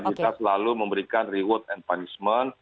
kita selalu memberikan reward and punishment